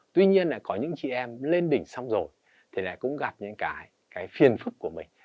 tuy nhiên là có những chị em lên đỉnh xong rồi thì lại cũng gặp những cái phiền phức của mình